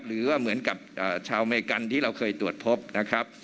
หรือว่าเหมือนกับชาวอเมริกันที่เราเคยตรวจพบนะครับ